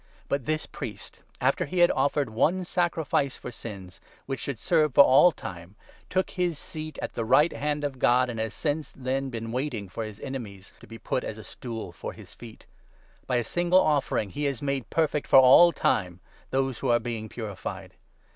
But this priest, after he had offered one sacrifice for sins, 12 which should serve for all time, ' took his seat at the right hand of God,' and has since then been waiting ' for his enemies 13 to be put as a stool for his feet.' By a single offering he. 14 has made perfect for all time those who are being puri fied.